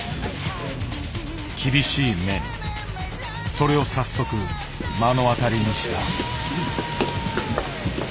それを早速目の当たりにした。